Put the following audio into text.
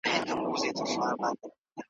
چي خدای درکړی د توري زور دی `